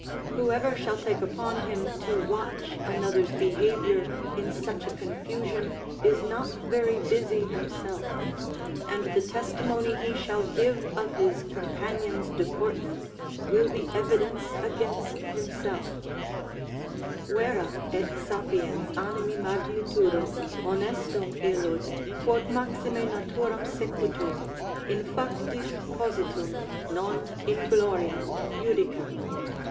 Whoever shall take upon him to watch another's behaviour in such a confusion is not very busy himself, and the testimony he shall give of his companions' deportment will be evidence against himself: "Vera et sapiens animi magnitudo, honestum illud, quod maxime naturam sequitur, in factis positum, non in gloria, judicat."